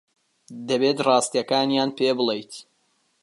دەبێت ڕاستییەکانیان پێ بڵێیت.